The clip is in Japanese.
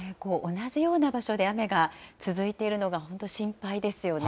同じような場所で雨が続いているのが本当、心配ですよね。